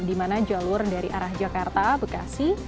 di mana jalur dari arah jakarta bekasi